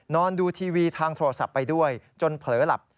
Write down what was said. ดูทีวีทางโทรศัพท์ไปด้วยจนเผลอหลับ